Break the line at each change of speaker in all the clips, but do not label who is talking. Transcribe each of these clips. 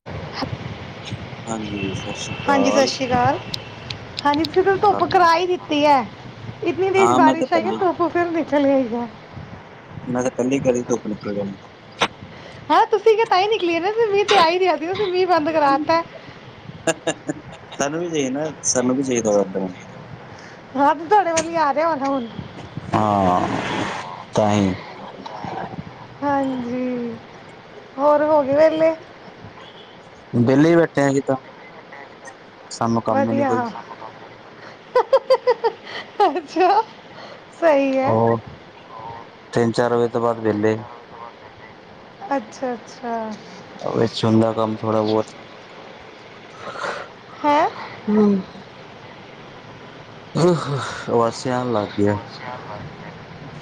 [inaudible]
ਹਾਂਜੀ, ਸਸ ਸੀ
ਹਾਂਜੀ ਸਤਿ ਸ਼੍ਰੀ ਕਾਲ, ਹਾਂਜੀ ਤੁਸੀ
ਕੀ
ਧੁੱਪ
ਹਾਲ ਨੇ?
ਕਰਾ ਈ ਦਿੱਤੀ ਐ। ਇਤਨੀ ਤੇਜ
ਹਾਂ, ਮੈਂ ਤਾਂ
ਬਾਰਿਸ਼ ਆਈ ਐ,
ਕੱਲੀ
ਧੁੱਪ ਫੇਰ ਨਿਕਲ ਆਈ ਐ।
ਮੈਂ ਤਾਂ, ਪੈਲਾਂ ਈ ਕੇਆ ਸੀ ਧੁੱਪ ਨਿਕਲ ਜਾਨੀ।
ਹਾਂ, ਤੁਸੀਂ ਕੇਆ ਤਾਂਈ ਨਿਕਲੀ ਐ ਨਾ ਫੇਰ ਮੀਂਹ ਤੇ ਆ ਈ ਰੇਆ ਸੀ, ਤੁਸੀ ਮੀਂਹ ਬੰਦ ਕਰਾ ਤੈ।
ਸਾਨੂੰ ਵੀ ਦੇ ਨਾ, ਸਾਨੂੰ ਵੀ ਚਾਈਦਾ ਬੰਦ
ਹਾਂ, ਤੇ ਤੁਆਡੇ ਵਲ ਈ ਆ ਰੇਆ ਹੋਨਾ ਹੁਨ।
ਹਾਂ ਤਾਂ ਈ [inaudible]
ਹਾਂਜੀ, ਹੋਰ ਹੋ ਗੇ ਵੇਲੇ?
ਵੇਹਲੇ ਈ ਬੈਠੇ ਆਂ ਅਸੀਂ ਤਾਂ। ਸਾਨੂੰ ਕੰਮ ਹੀ ਨੀ
ਵਦੀਆ
ਕੋਈ।
ਅੱਛਾ। ਸਹੀ ਹੈ
ਹੋਰ, ਤਿੰਨ -ਚਾਰ ਵਜੇ ਤੋਂ ਬਾਦ ਵੇਲੇ।
ਅੱਛਾ- ਅੱਛਾ।
ਏਸ 'ਚ ਹੁੰਦਾ ਕੰਮ ਥੋੜਾ ਬੌਤ,
ਹੈ
ਹਮ ਉਬਾਸੀਆਂ ਆਨ ਲੱਗ ਗੀਆਂ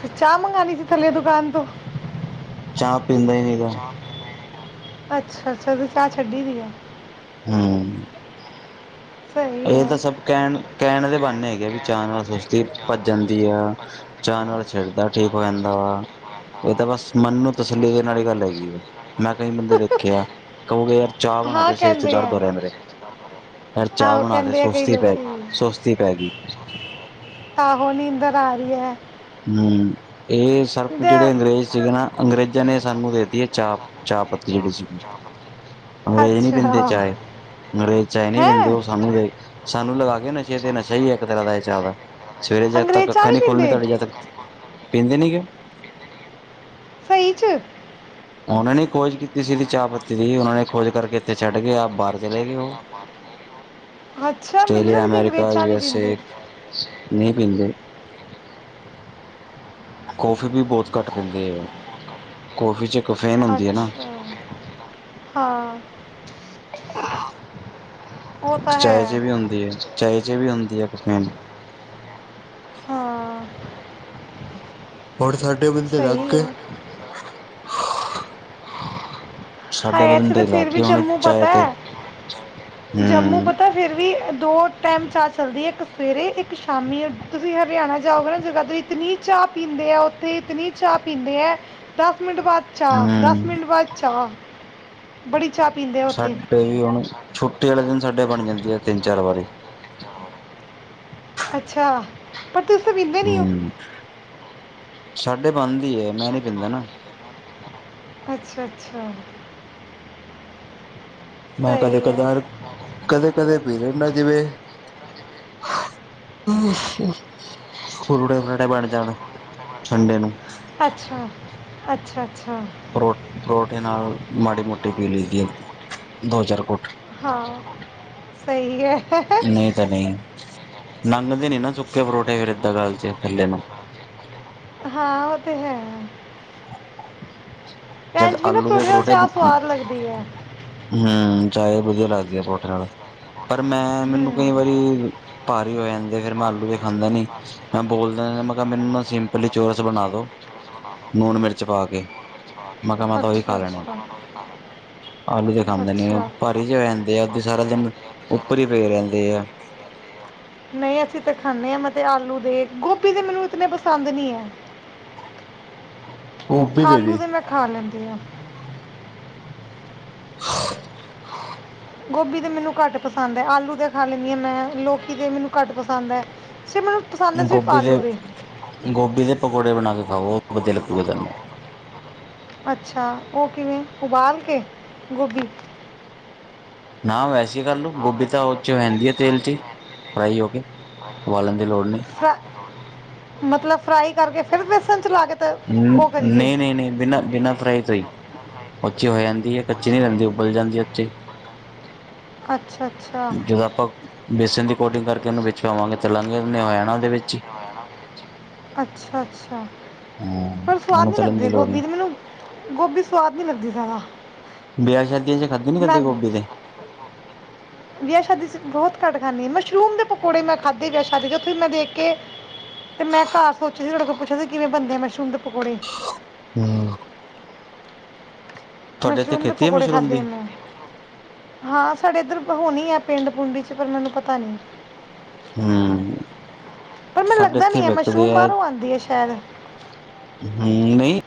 ਫੇਰ ਚਾਹ ਮੰਗਾਨੀਂ ਸੀ, ਥੱਲੇ ਦੁਕਾਨ ਤੋਂ।
ਚਾ ਪੀਂਦਾ ਈ ਨੀਂ।
ਅੱਛਾ- ਅੱਛਾ ਤੁਸੀ ਚਾਅ ਛੱਡੀ ਪੀ ਐ।
ਹਂ
ਸਹੀ
ਏ
ਹੈ
ਤਾਂ ਸਬ ਕੇਣ- ਕੇਣ ਦੇ ਬਾਨੇ ਹੈਗੇ ਆ ਵੀ ਚਾਅ ਨਾਲ ਸੁਸਤੀ ਭੱਜ ਜਾਂਦੀ ਆ। ਚਾਅ, ਨਾਲ ਸਿਰ ਦਰਦ ਠੀਕ ਹੋ ਜਾਂਦਾ ਵਾ ਏ ਤਾਂ ਬਸ ਮਨ ਨੂੰ ਤਸੱਲੀ ਦੇਣ ਆਲੀ ਗੱਲ ਹੈਗੀ ਆ। ਮੈਂ ਕਈ ਬੰਦੇ ਦੇਖੇ ਆ, ਕਓਗੇ ਯਾਰ ਚਾਹ ਬਣਾ
ਹਾਂ
ਦੇ ਸਿਰ 'ਚ
ਕਹਿੰਦੇ ਆ
ਦਰਦ ਹੋ ਰੇਆ ਮੇਰੇ। ਯਾਰ ਚਾਹ
ਆਹੋ
ਬਣਾ ਦੇ
ਕੈਂਦੇ ਆ ਕਈ
ਸੁਸਤੀ ਪੈ
ਲੋਕੀ
ਸੁਸਤੀ ਪੈ ਗਈ
ਆਹੋ, ਨੀਂਦਰ ਆ ਰਈ ਐ।
ਹੂੰ ਏ ਸਾਰਾ ਕੁਝ
ਦੇ
ਜਿਹੜੇ ਅੰਗਰੇਜ਼ ਸੀਗੇ ਨਾ ਅੰਗਰੇਜ਼ਾਂ ਨੇ ਸਾਨੂੰ ਦੇ ਦੀ ਏ ਚਾਹ, ਚਾਹ ਪੱਤੀ ਜਿਹੜੀ ਸੀਗੀ, ਅੰਗਰੇਜ਼ ਨੀ ਪੀਂਦੇ
ਅੱਛਾ
ਚਾਏ। ਅੰਗਰੇਜ਼ ਚਾਏ ਨੀ
ਹੈ
ਪੀਂਦੇ ਓ ਸਾਨੂੰ ਵੇ ਸਾਨੂੰ ਲਗਾ ਗੇ ਨਸ਼ੇ 'ਤੇ ਨਸ਼ਾ ਈ ਐ ਇਕ ਤਰਾਂ ਦਾ ਏ ਚਾ ਦਾ। ਸਵੇਰੇ ਜਦ ਤੱਕ
ਅੰਗਰੇਜ਼ ਚਾਹ
ਅੱਖਾਂ
ਨਹੀਂ
ਨੀ ਖੁਲਣੀ
ਪੀਂਦੇ
ਤੁਹਾਡੀ ਜਦ ਤੱਕ, ਪੀਂਦੇ ਨੀ ਗੇ।
ਸਈ 'ਚ।
ਉਨਾਂ ਨੇ ਈ ਖੋਜ ਕੀਤੀ ਸੀ ਚਾਹ ਪੱ ਤੀ ਦੀ ਉਨਾਂ ਨੇ ਖੋਜ ਕਰਕੇ ਏਥੇ ਛੱਡ ਕੇ ਆਪ ਬਾਰ ਚਲੇ ਗੇ ਓ।
ਅੱਛਾ ਮੈਨੂੰ
ਆਸਟ੍ਰੇਲੀਆ,
ਤਾਂ ਕਿ ਅੰਗਰੇਜ਼
ਅਮੈਰੀਕਾ,
ਚਾਹ
ਯੂ
ਨਹੀਂ
ਐੱਸ
ਪੀਂਦੇ
ਏ, ਨਈ ਪੀਂਦੇ। ਕੌਫੀ ਵੀ ਬੋਤ ਘੱਟ ਪੀਂਦੇ ਐ, ਕੌਫੀ 'ਚ ਕਫੇਨ ਹੁੰਦੀ ਏ ਨਾ।
ਅੱਛਾ ਹਾਂ। ਉਹ ਤਾਂ ਹੈ
ਚਾਏ 'ਚ ਵੀ ਹੁੰਦੀ ਏ, ਚਾਏ 'ਚ ਵੀ ਹੁੰਦੀ ਐ ਕਫੇਨ।
ਹਾਂ।
ਹੋਰ ਸਾਡੇ ਬਿਲ 'ਤੇ ਲਾ
ਸਹੀ
ਕੇ
ਹੈ।
ਸਾਡੇ
ਹਾਏ ਐਥੇ ਤਾਂ
ਬੰਦੇ ਲੱਗ
ਫਿਰ ਵੀ
ਗਏ ਹੁਣ
ਜੰਮੂ
ਚਾਏ
ਪਤੈ,
ਤੇ
ਜੰਮੂ
ਹਮ
ਪਤਾ ਫਿਰ ਵੀ ਦੋ ਟੈਮ ਚਾ ਚੱਲਦੀ ਏ ਇੱਕ ਸਵੇਰੇ, ਇੱਕ ਸ਼ਾਮੀ ਤੁਸੀਂ ਹਰਿਆਣਾ ਜਾਓਗੇ ਨਾ ਜਗਾਦਰੀ ਇਤਨੀ ਚਾ ਪੀਂਦੇ ਐ ਉੱਥੇ, ਇਤਨੀ ਚਾ ਪੀਂਦੇ ਐ ਦਸ ਮਿੰਟ ਬਾਅਦ ਚਾ ਦਸ
ਹਮ
ਬਾ ਚਾ, ਬੜੀ ਚਾ ਪੀਂਦੇ ਐ ਉੱਥੇ।
ਟੇਹੀ ਹੁਣ ਛੁੱਟੀ ਆਲੇ ਦਿਨ ਸਾਡੇ ਬਣ ਜਾਂਦੀ ਆ ਤਿੰਨ-ਚਾਰ ਵਾਰੀ।
ਅੱਛਾ ਪਰ ਤੁਸੀਂ ਤਾਂ ਪੀਂਦੇ ਨੀ ਓ।
ਹਮ ਸਾਡੇ ਬਣਦੀ ਐ ਮੈਂ ਨੀ ਪੀਂਦਾ ਨਾ।
ਅੱਛਾ-ਅੱਛਾ।
ਮੈਂ ਕਦੇ
ਸਹੀ ਹੈ
ਕਦਾਰ ਕਦੇ-ਕਦੇ ਪੀ ਲੀਨਾ ਜਿਵੇਂ ਅੱਛਾ। ਫੁਰਡੇ ਫਡੇ ਬਣ ਜਾਣ, ਸੰਡੇ ਨੂੰ।
ਅੱਛਾ, ਅੱਛਾ-ਅੱਛਾ।
ਪਰੋ ਪਰੋਠੇ ਨਾਲ ਮਾੜੀ ਮੋਟੀ ਪੀ ਲੀ ਦੀ ਐ, ਦੋ-ਚਾਰ ਕੁਟ।
ਹਾਂ, ਸਈ ਐ।
ਨਈ ਤਾਂ ਨਈ ਨੰਘਦੇ ਨੀ ਨਾ ਸੁੱਕੇ ਪਰੋਠੇ ਫੇਰ ਏਦਾਂ ਗਲ 'ਚ ਥੱਲੇ ਨੂੰ।
ਹਾਂ ਓ 'ਤੇ ਹੈ।
ਜਦ
ਭੈਣ ਜੀ ਵੀ ਨਾ
ਆਲੂ ਦੇ
ਪਰੌਂਠੇ ਨਾਲ
ਪਰੋਠੇ,
ਚਾਹ ਸਵਾਦ ਲੱਗਦੀ ਹੈ
ਹੂੰ ਚਾਏ ਵਧੀਆ ਲੱਗਦੀ ਐ ਪਰੋਠੇ ਨਾਲ। ਪਰ ਮੈਂ
ਹੂੰ
ਮੈਨੂੰ ਕਈ ਵਾਰੀ ਭਾਰੀ ਹੋ ਜਾਂਦੇ ਫੇਰ ਮੈਂ ਆਲੂ ਦੇ ਖਾਂਦਾ ਨੀ। ਮੈਂ ਬੋਲਦਾ ਮੈਂ ਕ ਮੈਨੂੰ ਨਾ ਸਿੰਪਲੀ ਚੋਰਸ ਬਣਾ ਦੋ, ਨੂਨ, ਮਿਰਚ ਪਾ ਕੇ। ਮੈਂ ਕਿਹਾ ਮੈਂ ਤਾਂ ਉਹੀ ਖਾ ਲੈਣੇ
ਅੱਛਾ-ਅੱਛਾ।
ਆਲੂ ਦੇ ਖਾਂਦੇ ਨੀ ਓ ਭਾਰੀ ਜੇ ਹੋ ਜਾਂਦੇ ਆ ਉਦੇ ਸਾਰਾ ਦਿਨ ਉੱਪਰ ਈ ਪੇ ਰਹਿੰਦੇ ਆ।
ਨਈ ਅਸੀਂ 'ਤੇ ਖਾਂਨੇ ਆ ਮੈਂ 'ਤੇ ਆਲੂ ਦੇ, ਗੋਭੀ ਦੇ ਮੈਨੂੰ ਇਤਨੇ ਪਸੰਦ ਨੀ ਐ।
ਗੋਭੀ
ਆਲੂ
ਵੀ
ਦੇ ਮੈਂ ਖਾਂ ਲੀਦੀ ਆ।
[inaudible]
ਗੋਭੀ ਦੇ ਮੈਨੂੰ ਘੱਟ ਪਸੰਦ ਐ, ਆਲੂ ਦੇ ਖਾ ਲੈਨੀ ਆ ਮੈਂ, ਲੋਕੀ ਦੇ ਮੈਨੂੰ ਘੱਟ ਪਸੰਦ ਐ। ਸਿਰ ਮੈਨੂੰ ਪਸੰਦ ਐ ਸਿਰਫ ਆਲੂ ਦੇ।
ਗੋਭੀ ਦੇ ਪਕੌੜੇ ਬਣਾ ਕੇ ਖਾਓ। ਵਧੀਆ ਲੱਗੂਗਾ ਤੁਹਾਨੂੰ
[inaudible] ਅੱਛਾ ਓ ਕਿਵੇਂ ਉਬਾਲ ਕੇ, ਗੋਭੀ?
ਨਾ ਵੈਸੀ ਕਰ ਲੋ ਗੋਭੀ ਤਾਂ ਓ 'ਚ ਰਹਿੰਦੀ ਆ ਤੇਲ 'ਚ ਈ, ਫਰਾਈ ਹੋ ਕੇ। ਉਬਾਲਣ ਦੀ ਲੋੜ ਨਹੀਂ
ਫਰਾ, ਮਤਲਬ ਫਰਾਈ ਕਰਕੇ ਫਿਰ ਬੇਸਨ 'ਚ ਲਾ ਕੇ ਤੇ
ਹੂੰ
ਉਹ ਕਰੀਏ
ਨਈ-ਨਈ-ਨਈ ਬਿਨਾਂ ਬਿਨਾਂ ਫਰਾਈ ਤੋਂ ਹੀ, ਉਥੇ ਹੋ ਜਾਂਦੀ ਹੈ ਕੱਚੀ ਨੀ ਰਹਿੰਦੀ ਉਬਲ ਜਾਂਦੀ ਉੱਥੇ।
ਅੱਛਾ। ਅੱਛਾ
ਜਦੋਂ ਆਪਾਂ, ਬੇਸਨ ਦੀ ਕੋਟਿੰਗ ਕਰਕੇ ਉਹਨੂੰ ਵਿੱਚ ਪਾਵਾਂਗੇ, ਤਲਾਂਗੇ ਉਹ ਆਣਾ ਦੇ ਵਿੱਚ ਹੀ।
ਅੱਛਾ- ਅੱਛਾ।
ਹਮ
ਪਰ ਸਵਾਦ
ਉਹਨੂੰ
ਨਹੀਂ
ਤਲਣ ਦੀ
ਲੱਗਦੇ
ਲੋੜ ਨਹੀਂ
ਗੋਭੀ ਦੇ ਮੈਨੂੰ ਗੋਭੀ ਸਵਾਦ ਨਹੀਂ ਲੱਗਦੀ ਜ਼ਿਆਦਾ।
ਵਿਆਹ- ਸ਼ਾਦੀਆਂ ਚ' ਖਾਧੇ ਨੀ
ਮੈਂ
ਕਦੇ ਗੋਭੀ ਤੇ।
ਵਿਆਹ ਸ਼ਾਦੀ ਚ' ਬਹੁਤ ਘਟ ਖਾਂਦੀ ਹਾਂ, ਮਸ਼ਰੂਮ ਦੇ ਪਕੌੜੇ ਮੈਂ ਖਾਧੇ ਵਿਆਹ ਸ਼ਾਦੀ ਚ' ਉੱਥੇ ਮੈਂ ਦੇਖ ਕੇ ਤੇ ਮੈਂ ਘਰ ਸੋਚਿਆ ਸੀ ਤੁਹਾਡੇ ਕੋਲ ਪੁੱਛਿਆ ਸੀ ਕਿਵੇਂ ਬੰਦੇ ਆ ਮਸ਼ਰੂਮ ਦੇ ਪਕੌੜੇ।
ਹੂ ਤੁਹਾਡੇ ਇੱਥੇ
ਮਸ਼ਰੂਮ ਦੇ
ਖੇਤੀ ਹੈ
ਪਕੌੜੇ
ਮਸ਼ਰੂਮ
ਖਾਧੇ
ਦੀ
ਮੇ। ਹਾ, ਸਾਡੇ ਇੱਧਰ ਹੋਣੀ ਆ ਪਿੰਡ- ਪੁੰਡੀ ਚ' ਪਰ ਮੈਨੂੰ ਪਤਾ ਨੀ।
ਹੂ
ਪਰ ਮੈਨੂੰ ਲੱਗਦਾ ਨੀ ਹੈ, ਮਸ਼ਰੂਮ ਬਾਹਰੋਂ ਆਉਂਦੀ ਹੈ ਸ਼ਾਇਦ।
ਹੂ ਨੀ,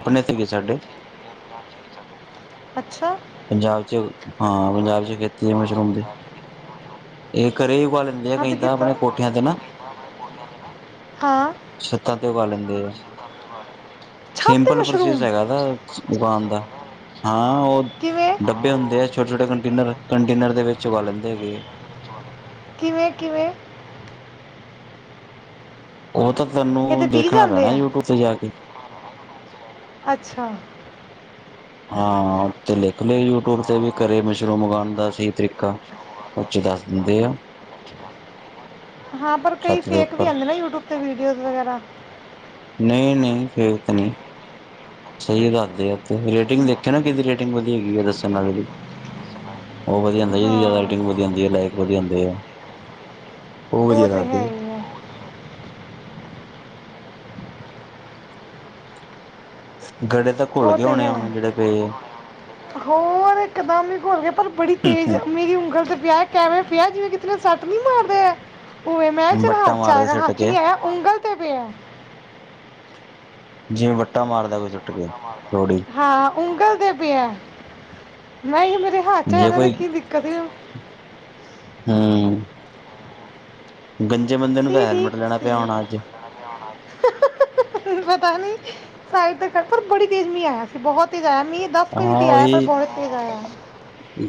ਆਪਣੇ ਹੰਦੀ ਏ ਸਾਡੇ।
ਅੱਛਾ।
ਪੰਜਾਬ ਚ', ਹਾਂ ਪੰਜਾਬ ਚ' ਖੇਤੀ ਹੈ ਮਸ਼ਰੂਮ ਦੀ। ਇਹ ਘਰੇ ਉਗਾ ਲੈਂਦੇ ਆ।
ਹਾਂ ਤੇ
ਕਈ ਤਾਂ
ਕੀਤਾ
ਆਪਣੇ ਕੋਠਿਆਂ ਤੇ ਨਾ।
ਹਾਂ
ਛੱਤਾਂ ਤੇ ਉਗਾ ਲੈਂਦੇ ਆ।
ਛੱਤ ਤੇ
ਸਿੰਪਲ ਪ੍ਰੋਸੈਸ
ਮਸ਼ਰੂਮ
ਹੈਗਾ ਏਦਾ। ਦੁਕਾਨ ਦਾ। ਹਾਂ ਉਹ
ਕਿਵੇਂ
ਡੱਬੇ ਹੁੰਦੇ ਆ। ਛੋਟ-ਛੋਟੇ ਕੰਟੇਨਰ, ਕੰਟੇਨਰ ਦੇ ਵਿੱਚ ਉਗਾ ਲੈਂਦੇ ਹੈਗੇ।
ਕਿਵੇਂ-ਕਿਵੇਂ?
ਓਹ ਤਾਂ
ਇਹਦੇ
ਤੈਨੂੰ
ਬੀਜ
ਦੇਖਣਾ
ਆਉਂਦੇ
ਪੈਣਾ
ਆ
ਯੂਟਿਊਬ ਤੇ ਜਾ ਕੇ।
ਅੱਛਾ।
ਹਾਂ, ਉੱਤੇ ਲਿਖ ਲਈ ਔ। ਉੱਥੇ ਤੇ ਵੀ ਘਰੇ ਮਸ਼ਰੂਮ ਮੰਗਾਉਣ ਦਾ ਸਹੀ ਤਰੀਕਾ। ਉਹਦੇ ਵਿਚ ਦੱਸ ਦਿੰਦੇ ਆ।
ਹਾਂ, ਪਰ ਕਈ
ਛੱਤ ਦੇ
ਫੇਕ ਵੀ
ਉੱਪਰ
ਆਂਦੇ। ਤੇ ਵੀਡੀਓਜ਼ ਵਗੈਰਾ।
ਨਹੀਂ -ਨਹੀਂ ਫੇਕ ਨਹੀਂ, ਸਹੀ ਦਹਦੇ ਆ। ਤੇ ਰੇਟਿੰਗ ਦੇਖਿਆ ਨਾ ਕਿਹਦੀ ਰੇਟਿੰਗ ਵਧੀ ਹੈਗੀ ਆ ਦੱਸਣ ਨਾਲ। ਉਹ ਵਧਿਆ ਹੁੰਦਾ, ਜਿਦੀ
ਹਾਂ
ਰਟਿੰਗ ਵਧਿਆ ਹੁੰਦੀ ਹੈ, ਲਾਇਕ ਵਧਿਆ ਹੁੰਦੀ ਹੈ। ਉਹ ਵਾਧਿਆ
ਤੇ
ਲੱਗਦੇ
ਹੈ
ਜੀ।
ਹੀ ਹੈ
ਗੜੇ ਤਾਂ। ਘੁਲ
ਉਹ
ਗਏ
ਤੇ
ਹੋਣੇ
ਹੈ,
ਹੁਣ ਜਿਹੜੇ ਪਏ
ਹੋਰ ਇਕਦਮ ਹੀ ਘੁੱਲ ਗੇ। ਪਰ ਬੜੀ ਤੇਜ਼
ਆ
ਮੇਰੀ ਉਂਗਲ ਤੇ ਪਿਆ, ਆਵੇ ਪਿਆ ਜਿਵੇਂ ਕਿਤੇ ਸੱਟ ਨੀ ਮਾਰਦੇ। ਉਵੇ ਮੈਂ ਕਿਹਾ ਚਲ
ਵੱਟਾਂ
ਹੱਥ ਚ'
ਮਾਰਦੇ
ਆਏਗਾ,
ਸਿੱਟ
ਹੱਥ ਚ'
ਕੇ
ਨੀ ਆਇਆ ਉਂਗਲ ਤੇ ਪਿਆ।
ਜਿਵੇਂ ਵੱਟਾ ਮਾਰਦਾ ਕੁਛ।
ਹਾਂ, ਉਂਗਲ ਤੇ ਪੈਆ। ਹਾਂ -ਹਾਂ ਉਂਗਲ ਦੇ ਪਿਆ, ਨਹੀਂ ਮੇਰੇ। ਹਾਚਾ
ਜੇ
ਇਹਦਾ ਤੇ
ਕੋਈ
ਕੀ ਦਿੱਕਤ ਏ।
ਹੂ ਗੰਜੇ ਮੰਦਿਰ
ਠੀਕ- ਠੀਕ ਉਹਨਾਂ ਨੇ ਆਣਾ ਅੱਜ। ਪਤਾ ਨੀ, ਸਾਡੇ ਤਾਂ ਬੜੀ ਤੇਜ਼ ਮੀਂਹ ਆਇਆ ਸੀ, ਬਹੁਤ ਤੇਜ਼ ਆਇਆ ਮੀਂਹ। ਮਿੰਟ ਹੀ
ਹਾਂ
ਆਇਆ ਪਰ
ਵੀ।
ਬਹੁਤ ਤੇਜ਼ ਆਇਆ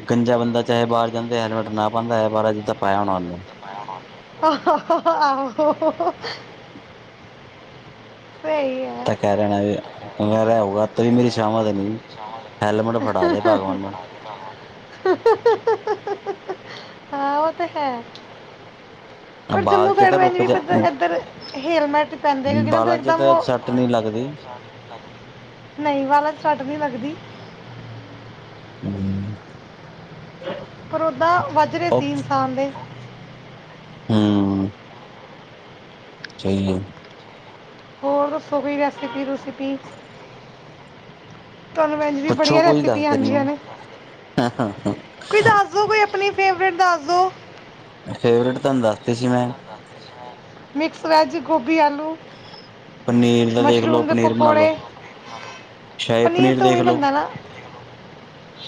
ਗੰਜਾ ਬੰਦਾ ਚਾਹੇ ਬਾਹਰ ਜਾਂਦੇ ਹੈਲਮਟ ਨਾ ਪਾਉਂਦਾ ਹੈ ਬਾਹ ਜਿੱਦਾਂ ਪਾਇਆ ਹੋਣਾ ਉਹਨੂੰ।
ਆਹ -ਆਹ ਪਈ ਐ।
ਤਾਂ ਕੈ ਦੇਣਾ ਵੀ [unintelligible] ਹੈਲਮਟ ਫੜਾ ਦੇ ਭਗਵਾਨੇ।
ਹਾਂ ਓ ਤੇ ਹੈ। ਪਰ
ਬਾਲ
ਜੰਮੂ
ਚ
ਸੈਡ
ਤਾਂ
ਵ
ਰੁਕ
ਵੀ
ਜਾ
ਏਧਰ ਹੇਲਮੈਟ ਪੈਂਦੇ ਕਿਉਂਕਿ ਨਾ ਦਾ
ਬਾਲਾਂ ਚ
ਇਕਦਮ
ਤਾਂ
ਓ
ਸੱਟ ਨਹੀਂ ਲੱਗਦੀ
ਨਈ [unintelligible] ਸੱਟ ਨੀ ਲੱਗਦੀ।
ਹੂੰ।
ਪਰ ਓਦਾਂ ਵੱਜ ਰੇ
ਉਹ
ਸੀ ਇਨਸਾਨ ਦੇ।
ਹੂੰ। ਚਈ ਏ।
ਹੋਰ ਦੱਸੋ ਕੋਈ ਰੈਸਿਪੀ-ਰੂਸਪੀ ਤੁਆਨੂੰ ਮੈ ਵੀ
ਪੁੱਛੋ
ਬੜੀਆਂ
ਕੋਈ ਦੱਸ
ਰੈਸਿਪੀਆਂ ਆਂਦੀਆਂ
ਦਿੰਨੇ
ਨੇ। ਕੋਈ ਦੱਸ ਦੋ ਕੋਈ ਆਪਣੀ ਫੇਵਰੇਟ ਦੱਸ ਦੋ।
ਫੇਵਰੇਟ ਤੁਹਾਨੂੰ ਦੱਸਤੀ ਸੀ ਮੈਂ।
ਮਿਕਸ ਵੈਜ, ਗੋਭੀ, ਆਲੂ
ਪਨੀਰ ਦਾ ਦੇਖ ਲੋ
ਮਸ਼ਰੂਮ ਦੇ
ਪਨੀਰ ਬਣਾ ਲੋ
ਪਕੌੜੇ।
ਸ਼ਾਹੀ
ਪਨੀਰ ਤੋ
ਦੇਖ
ਉਈ
ਲੋ
ਬਣਦਾ ਨਾ।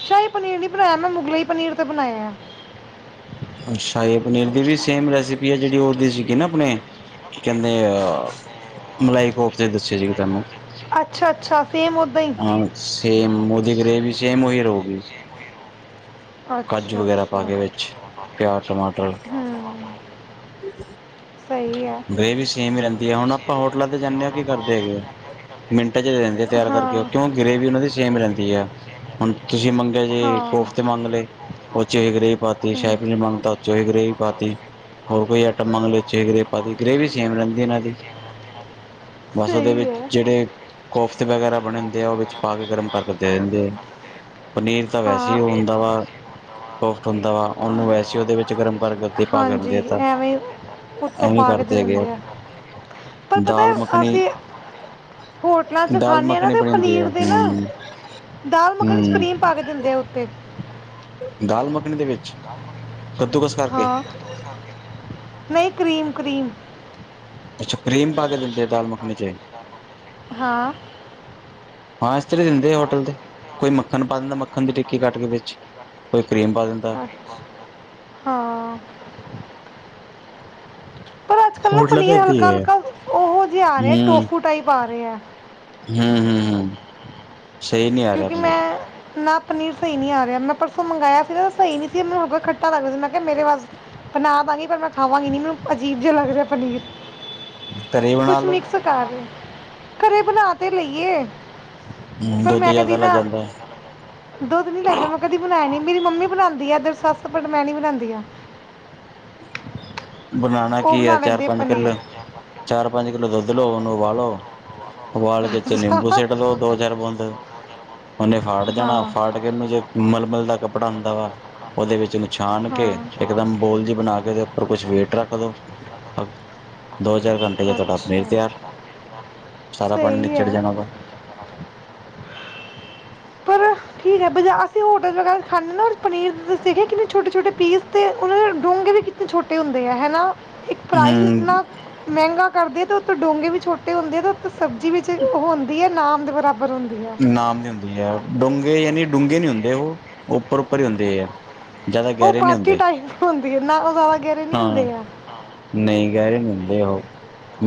ਸ਼ਾਈ ਪਨੀਰ ਨੀ ਬਣਾਇਆ ਮੈ ਮੁਗਲਾਈ ਪਨੀਰ ਤੇ ਬਣਾਇਐ।
ਅੱਛਾ ਜੀ ਪਨੀਰ ਦੀ ਵੀ ਸੇਮ ਰੈਸੀ ਪੀ ਆ ਜੇੜੀ ਇਦੀ ਸੀਗੀ ਨਾ ਆਪਣੇ ਕੀ ਕੈਂਦੇ ਆ ਮਲਾਈ ਕੋਫ ਤੇ ਦੱਸੇ ਸੀਗੇ ਤੁਹਾਨੂੰ।
ਅੱਛਾ-ਅੱਛਾ ਸੇਮ ਉ
ਹਾਂ ਸੇਮ [unintelligible] ਗ੍ਰੇਵੀ ਸੇਮ ਓਈ ਰਊਗੀ। ਵਗੈਰਾ ਪਾ
ਅੱਛਾ-ਅੱਛਾ
ਕੇ ਵਿੱਚ ਪਿਆਜ਼ ਟਮਾਟਰ
ਹੂੰ। ਸਈ ਐ।
ਗਰੇਵੀ ਸੇਮ ਈ ਰੈਂਦੀ ਆ। ਹੁਣ ਆਪਾ ਹੋਟਲਾ ਤੇ ਜਾਂਨੇ ਆ ਓ ਕੀ ਕਰਦੇ ਹੈਗੇ ਮਿੰਟਾਂ ਚ ਦੇ ਦਿੰਦੇ ਆ ਤਿਆਰ ਕਰਕੇ ਓ।
ਹਾਂ
ਕਿਓ ਗਰੇਵੀ ਉਨਾ ਦੀ ਸੇਮ ਰੈਂਦੀ ਐ ਹੁਣ ਤੁਸੀ ਮੰਗਿਆ ਜੇ
ਹਾਂ
ਕੋਫ ਤੇ ਮੰਗ ਲਏ ਓ ਚੇ ਗਰੇਵੀ ਪਾਤੀ [unintelligible] ਓ ਚ
ਹਮ।
ਵੀ ਗਰੇਵੀ ਪਾਤੀ ਹੋਰ ਕੋਈ ਆਈਟਮ ਮੰਗ [unintelligible] ਪਾਤੀ ਗ੍ਰੇਵੀ ਸੇਮ ਰੈਂਦੀ ਏਨਾ ਦੀ ਬਸ ਓਦੇ
ਸਹੀ
ਵਿਚ
ਹੈ
ਜੇੜੇ ਕੋਫਤ ਵਗੈਰਾ ਬਣੇ ਹੁੰਦੇ ਐ ਓ ਵਿੱਚ ਪਾ ਕੇ ਗਰਮ ਕਰਕੇ ਦੇ ਦਿੰਦੇ ਐ। ਪਨੀਰ ਤਾਂ ਵੈਸੇ
ਹਾਂ
ਈ ਓ ਹੁੰਦਾ ਵਾ ਸੋਫਟ ਹੁੰਦਾ ਵਾ ਓਨੂੰ ਵੈਸੇ ਇਦੇ ਵਿਚ ਗਰਮ ਕਰ ਓਦੀ
ਹਾਂਜੀ
[unintelligible]
[unintelligible] ਉੱਤੋਂ ਪਾ ਕੇ ਦੇ ਦਿੰਦੇ ਆ ਪਰ ਪਤੈ
ਦਾਲ ਮੱਖਣੀ
ਅਸੀ ਹੋਟਲਾ ਚ
ਦਾਲ
ਖਾਨੇ ਆ ਨਾ
ਮੱਖਣੀ
ਤੇ
ਬਣੀ ਹੁੰਦੀ ਹੈ
ਪਨੀਰ ਦੇ ਨਾ
ਹਮ
ਦਾਲ ਮੱਖਣੀ ਚ
ਹਮ
ਕਰੀਮ ਪਾ ਕੇ ਦਿੰਦੇ ਆ ਉੱਤੇ।
ਦਾਲ ਮੱਖਣੀ ਦੇ ਵਿਚ ਕੱਦੂਕਸ ਕਰਕੇ?
ਨਈ ਕਰੀਮ-ਕਰੀਮ
ਅੱਛਾ ਕਰੀਮ ਪਾ ਕੇ ਦਿੰਦੇ ਐ ਦਾਲ ਮੱਖਣੀ ਚੇ।
ਹਾਂ।
ਹਾਂ ਇਸ ਤਰਾਂ ਈ ਦਿੰਦੇ ਐ ਹੋਟਲ ਤੇ। ਕੋਈ ਮੱਖਣ ਪਾ ਦਿੰਦਾ ਮੱਖਣ ਦੀ ਟਿੱਕੀ ਕੱਟ ਕੇ ਵਿਚ ਕੋਈ ਕਰੀਮ ਪਾ ਦਿੰਦਾ
ਹਾਂ। ਪਰ ਅੱਜ-ਕਲ ਨਾ
ਹੋਟਲਾਂ ਤੇ
ਪਨੀਰ
ਏਦਾਂ
ਹਲਕਾ-ਹਲਕਾ ਓਹੋ ਜਾ ਆ ਰਿਐ ਟੋਫੂਟਾ ਈ ਪਾ ਰਿਐ।
ਹੂੰ-ਹੂੰ
ਕਿਉਕੀ ਮੈਂ ਨਾ ਪਨੀਰ ਸਹੀ ਨਹੀ ਆ ਰਿਹਾ, ਮੈ ਪਰਸੋ ਮੰਗਾਇਆ ਸੀ ਨਾ ਸਹੀ ਨਹੀਂ ਮੈਨੂੰ ਖੱਟਾ ਲਗਦਾ ਸੀ, ਮੈ ਕਿਹਾ ਮੇਰੇ ਵਸ- ਬਣਾ ਦਾਂਗੀ ਪਰ ਮੈ ਖਾਵਾਂਗੀ ਨੀ ਮੈਨੂੰ ਅਜੀਬ ਜਿਹਾ ਲਗ ਰਿਹਾ ਪਨੀਰ-
ਘਰੇ ਬਣਾ
ਕੁਛ
ਲੋ
ਮਿਕਸ ਕਰ, ਘਰੇ ਬਣਾ ਤੇ ਲਈਏ-
ਹੂੰ
ਪਰ
ਦੁੱਧ
ਮੈਂ ਕਦੀ
ਜਿਆਦਾ ਲੱਗ
ਨਾ-
ਜਾਂਦਾ
ਦੁੱਧ ਨੀ ਲਗਦਾ, ਮੈਂ ਕਦੀ ਬਣਾਇਆ ਨੀ ਮੇਰੀ ਮੰਮੀ ਬਣਾਉਦੀ ਆ ਏਧਰ ਸੱਸ, ਪਰ ਮੈਂ ਨੀ ਬਣਾਉਦੀ ਆ।
ਬਣਾਉਣਾ
ਉਹ
ਕੀ ਐ।
ਬਣਾ
ਚਾਰ
ਲੈਂਦੀ ਆ
ਪੰਜ
ਪਨੀਰ
ਕਿਲੋ, ਚਾਰ ਪੰਜ ਕਿਲੋ ਦੁੱਧ ਲਓ ਉਹਨੂੰ ਉਬਾਲੋ- ਉਵਾਲ ਕੇ 'ਚ
ਅੱਛਾ
ਨਿੰਬੂ ਸਿਟ ਦੋ ਦੋ ਚਾਰ ਬੂੰਦ- ਉਹਨੇ ਫਾੜ ਜਾਣਾ,
ਹਾਂ
ਫਾੜ ਕੇ ਮਨੂੰ ਜੇ ਮਲਮਲ ਦਾ ਕੱਪੜਾ ਹੁੰਦਾ ਵਾ- ਉਹਦੇ ਵਿਚ ਨਛਾਨ ਕੇ,
ਹਾਂ
ਇਕਦਮ ਬੋਲਜੀ ਬਣਾ ਕੇ, ਉਹਦੇ ਉਪਰ ਕੁਛ- ਵੇਟ ਰੱਖਦੋ, ਅ ਦੋ- ਚਾਰ ਘੰਟੇ 'ਚ ਤੁਹਾਡਾ ਪਨੀਰ
ਅੱਛਾ
ਤਿਆਰ- ਸਾਰਾ ਪਾਣੀ
ਸਹੀ
ਨਿਚੜ ਜਾਣਾ ਗਾ।
ਹੈ ਪਰ ਠੀਕ ਹੈ। ਬਾਜ਼ਾਰ ਅਸੀ। ਹੋਟਲ ਵਗੈਰਾ ਖਾਂਦੇ ਪਨੀਰ ਦੱਸ ਕਿੰਨੇ ਛੋਟੇ- ਛੋਟੇ ਪੀਸ ਤੇ ਉਹ ਡੋਂਗੇ ਵਿਚ- ਬਹੁਤ ਛੋਟੇ ਹੁੰਦੇ ਆ ਹੈਨਾ- ਇਕ ਪ੍ਰਾਈਜ
ਹੂੰ
ਇਤਨਾ ਮਹਿੰਗਾ ਕਰਦਿਆ ਤੇ ਉਥੋਂ ਡੋਗੇ ਵੀ ਛੋਟੇ ਹੁੰਦੇ ਅ। ਸਬਜ਼ੀ ਵਿਚ ਉਹ ਹੁੰਦੀ ਏ ਨਾਮ ਦੇ ਬਰਾਬਰ ਹੁੰਦੀ- ਆ
ਨਾਮ ਦੀ ਹੁੰਦੀ ਏ, ਡੂੰਘੇ ਯਾਨੀ ਡੂੰਘੇ ਨੀ ਹੁੰਦੇ ਉਹ, ਉਪਰ- ਉੱਪਰ ਹੀ ਹੁੰਦੇ ਹੈ।
ਉਹ ਪਾਥੀ ਟਾਈਪ ਹੁੰਦੀ ਹੈ। ਨਾਲੋ ਜਿਆਦਾ ਗੇਰੇ ਨੀ ਹੁੰਦੇ ਆ।
ਨਹੀ ਗਹਿਰੇ ਨੀ ਹੁੰਦੇ ਉਹ,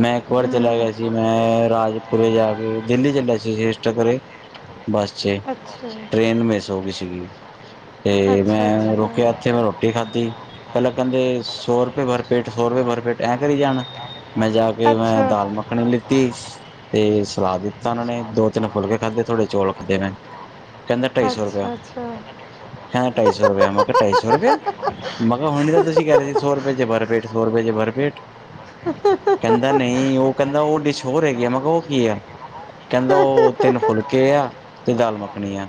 ਮੈ ਇਕ ਵਾਰ ਚਲਾ
ਹੂੰ
ਗਿਆ ਸੀ। ਜੀ ਮੈਂ ਰਾਜਪੁਰੇ ਜਾ ਕੇ, ਦਿਲੀ ਚਲਿਆ ਸੀ ਸੇਸਟਾਪੁਰੇ- ਬਸ 'ਚ,
ਅੱਛਾ
ਟ੍ਰੇਨ ਮਿਸ ਹੋ ਗਈ ਸੀਗੀ। ਤੇ
ਅੱਛਾ
ਮੈਂ ਰੁਕਿਆ,
ਅੱਛਾ
ਉੱਥੇ ਮੈਂ ਰੋਟੀ ਖਾਧੀ। ਪਹਿਲਾਂ ਕਹਿੰਦੇ ਸੌ ਰੁਪਏ ਭਰਪੇਟ ਸੌ ਰੁਪਏ ਭਰ ਪੇਟ ਐਂ ਕਰੀ ਜਾਣ। ਮੈਂ ਜਾ ਕੇ ਮੈਂ
ਅੱਛਾ
ਦਾਲ ਮੱਖਣੀ ਲਿੱਤੀ ਤੇ ਸਲਾਦ ਦਿੱਤਾ ਉਹਨਾਂ ਨੇ ਦੋ ਤਿੰਨ ਫੁਲਕੇ ਖਾਧੇ ਥੋੜੇ ਚੌਲ ਖਾਧੇ ਮੈਂ, ਕਹਿੰਦੇ ਟਾਈ ਸੌ ਰੁਪਇਆ।
ਅੱਛਾ ਅੱਛਾ
ਕਹਿੰਦਾ ਟਾਈ ਸੌ ਰੁਪਇਆ, ਮੈਂ ਕਿਹਾ ਟਾਈ ਸੌ ਰੁਪਯਾ। ਮੈਂ ਕਿਹਾ ਹੁਣੀ ਤਾਂ ਤੁਸੀਂ ਕਹਿ ਰਹੇ ਸੀ ਸੋ ਰੁਪਏ 'ਚ ਭਰ ਪੇਟ ਸੌ ਰੁਪਏ 'ਚ ਭਰ ਪੇਟ।
[inaudible]
ਕਹਿੰਦਾ ਨਹੀਂ ਓ ਕਹਿੰਦਾ ਓ ਡਿਸ਼ ਹੋਰ ਹੈਗੀ ਆ, ਮੈਂ ਕਿਹਾ ਓ ਕੀ ਆ, ਕਹਿੰਦਾ ਓ ਤਿੰਨ ਫੁਲਕੇ ਆ, ਤੇ ਦਾਲ ਮੱਖਣੀ ਐੰ।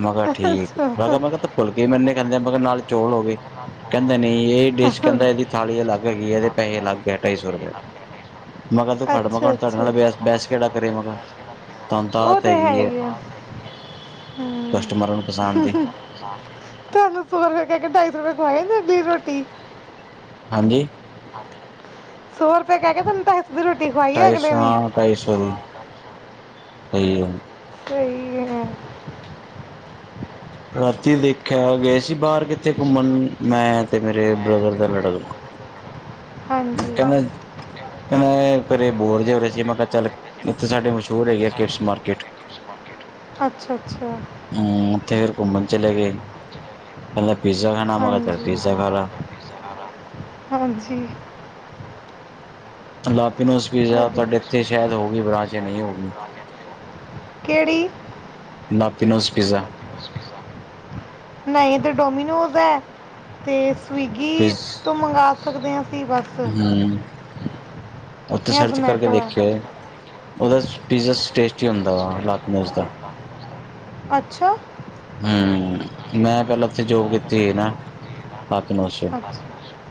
ਮੈਂ ਕਿਹਾ ਠੀਕ
ਅੱਛਾ
ਮੈਂ ਕਿਹਾ ਮੈਂ ਕਿਹਾ ਤਿੰਨ ਫੁਲਕੇ ਮੇਨੇ ਖਾਂਦੇ ਆ ਮੈਂ ਕਿਹਾ ਨਾਲ ਚੌਲ ਹੋ ਗਏ। ਕਹਿੰਦਾ ਨੀ, ਇਹ ਡਿਸ਼ ਕਹਿੰਦਾ ਇਹਦੀ ਥਾਲੀ ਅਲੱਗ ਹੈਗੀ ਇਹਦੇ ਪੈਸੇ ਅਲੱਗ ਐ ਟਾਈ ਸੋ ਰੁਪਏ। ਮੈ ਕਿਹਾ ਤੂੰ ਫੜ ਮੈਂ
ਅੱਛਾ
ਕੌਣ ਤਾੜੇ
ਅੱਛਾ
ਨਾਲ ਬ ਬੈਸ ਕੇਹਡਾ ਕਰੇ ਮੈਂ ਕਿਹਾ। ਤੁਹਾਨੂੰ ਤਾਂ
ਉਹ
ਆਦਤ
ਤੇ
ਹੈਗੀ
ਹੈ ਈ ਐ ਹਮ।
ਕਸਟਮਰਾਂ ਨੂੰ ਫਸਾਣ ਦੀ
ਤੁਹਾਨੂੰ ਸੋ ਰੁਪਏ ਕਹਿ ਕੇ ਟਾਈ ਸੌ ਰੁਪਏ ਖੁਆਈ ਜਾਂਦੀ ਰੋਟੀ।
ਹਾਂਜੀ
ਸੌ ਰੁਪਏ ਕਹਿ ਕੇ ਤੈਨੂੰ ਟਾਈ ਸੋ ਵੀ ਰੋਟੀ ਖੁਆਈ।
ਟਾਈ ਸੋ ਹਾ ਟਾਈ ਸੌ ਦੀ ਤੇ।
ਸਹੀ ਹੈ।
ਰਾਤੀ ਦੇਖਿਆ, ਗਏ ਸੀ ਬਾਹਰ ਕਿੱਥੇ ਘੁੰਮਨ ਮੈਂ ਤੇ ਮੇਰੇ ਬ੍ਰਦਰ ਦਾ ਲੜਕਾ।
ਹਾਂਜੀ
ਕਿਵੇਂ ਕਹਿੰਦੇ ਘਰੇ ਬੋਰ ਜਏ ਹੋ ਰਹੇ ਸੀ ਮੈਂ ਕਿਹਾ ਚੱਲ ਇੱਥੇ ਸਾਡੇ ਮਸ਼ਹੂਰ ਹੈਗੇ ਕਿਡਸ ਮਾਰਕੀਟ।
ਅੱਛਾ ਅੱਛਾ ਅੱਛਾ
ਹਮ, ਫੇਰ ਘੁੰਮਨ ਚਲੇ ਗਏ ਕਹਿੰਦਾ ਪੀਜ਼ਾ ਖਾਨਾ ਮੈਂ ਕਿਹਾ ਚਲ
ਹਾਂਜੀ
ਪੀਜ਼ਾ ਖਾ ਲੈ।
ਹਾਂਜੀ
ਲਾਪੀਨੋਜ਼ ਪੀਜਾ
ਤੁਹਾਡੀ
ਤੁਹਾਡੇ ਇੱਥੇ ਸ਼ਾਇਦ ਹੋਗੀ ਬਰਾਂਚ ਯਾ ਸ਼ਾਯਦ ਨਈ ਹੋਗੀ।
ਕੇੜੀ?
ਲਾਪੀਨੋਜ਼ ਪੀਜ਼ਾ।
ਨਈ ਇੱਥੇ ਡੋਮੀਨੋਜ਼ ਐ ਤੇ ਸਵੀਗੀ ਤੋਂ ਮੰਗਵਾ ਸਕਦੇ ਆ ਅਸੀਂ ਬਸ।
ਹੂੰ, ਓਥੇ
ਜਾਂ
ਸਰਚ ਕਰਕੇ
ਜ਼ੋਮੈਟੋ
ਦੇਖੇਓ ਏ?
ਹੈ
ਓਦਾ ਪੀਜ਼ਾ ਟੇਸਟੀ ਹੁੰਦਾ ਵਾ ਲਾਕਨੋਜ਼ ਦਾ।
ਅੱਛਾ।
ਹੂੰ! ਮੈਂ ਪਹਿਲਾਂ ਓਥੇ ਜੋਬ ਕੀਤੀ ਸੀ ਨਾ ਪਾਰਟਨਰਸ਼ਿਪ।
ਪਾਰਟਨਰਸ਼ਪ।